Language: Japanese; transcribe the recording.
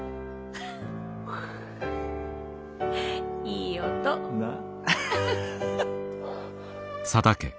いい音。なあ。